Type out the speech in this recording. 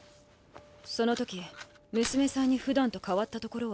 その時娘さんにふだんと変わったところはありましたか？